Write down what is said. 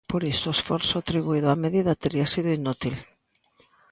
Por isto, o esforzo atribuído á medida tería sido inútil.